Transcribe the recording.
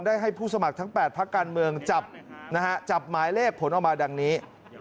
ได้ให้ผู้สมัครทั้ง๘พรรคกรรเมืองจับหมายเลขผลออกมาดังนี้